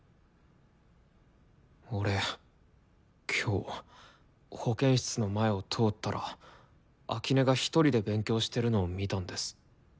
俺今日保健室の前を通ったら秋音がひとりで勉強してるのを見たんです。